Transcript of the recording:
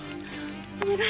お願い！